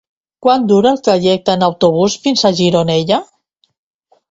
Quant dura el trajecte en autobús fins a Gironella?